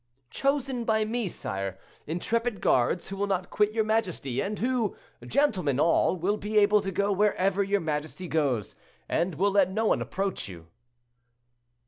"Chosen by me, sire; intrepid guards, who will not quit your majesty, and who, gentlemen all, will be able to go wherever your majesty goes, and will let no one approach you."